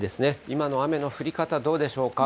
今の雨の降り方、どうでしょうか？